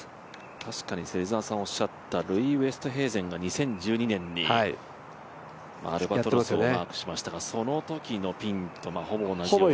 確かに芹澤さんがおっしゃったルイ・ウェストヘーゼンがアルバトロスをマークしましたが、そのときのピンと大体同じ。